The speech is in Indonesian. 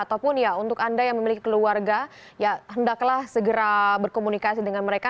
ataupun ya untuk anda yang memiliki keluarga ya hendaklah segera berkomunikasi dengan mereka